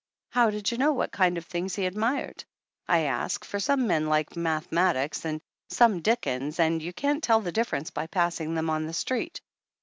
"How did you know what kind of things he admired?" I asked, for some men like mathe matics and some Dickens and you can't tell the difference by passing them on the street.